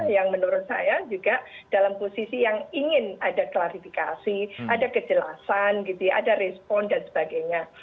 yang menurut saya juga dalam posisi yang ingin ada klarifikasi ada kejelasan gitu ya ada respon dan sebagainya